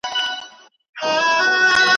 اوس به څه ليكې شاعره...؟